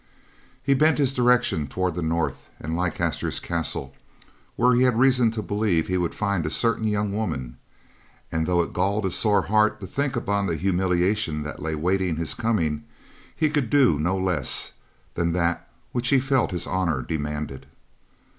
He bent his direction toward the north and Leicester's castle, where he had reason to believe he would find a certain young woman, and though it galled his sore heart to think upon the humiliation that lay waiting his coming, he could not do less than that which he felt his honor demanded.